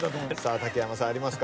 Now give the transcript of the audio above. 竹山さんありますか？